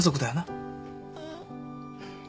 うん。